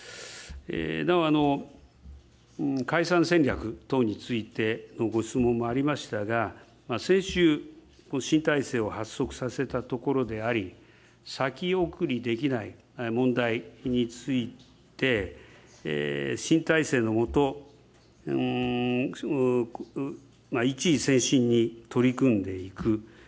なお解散戦略等についてのご質問もありましたが、先週、新体制を発足させたところであり、先送りできない問題について、新体制の下、一意専心に取り組んでいく。